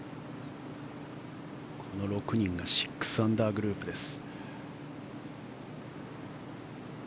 この６人が６アンダーグループです。